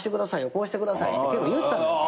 こうしてくださいって結構言った。